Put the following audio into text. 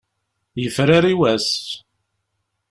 Yefrari wass.